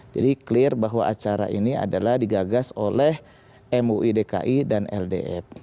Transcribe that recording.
jadi clear bahwa acara ini adalah digagas oleh mui dki dan ldf